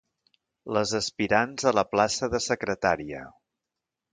Les aspirants a la plaça de secretària.